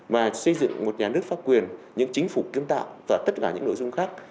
mà xây dựng một nhà nước pháp quyền những chính phủ kiến tạo và tất cả những nội dung khác